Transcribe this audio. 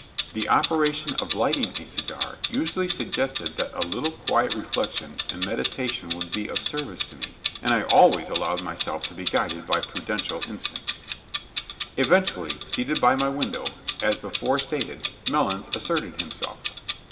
The operation of lighting a cigar usually suggested that a little quiet reflection and meditation would be of service to me, and I always allowed myself to be guided by prudential instincts. Eventually, seated by my window, as before stated, Melons asserted himself.